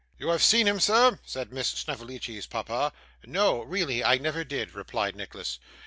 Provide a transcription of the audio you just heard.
'You have seen him, sir?' said Miss Snevellicci's papa. 'No, really I never did,' replied Nicholas.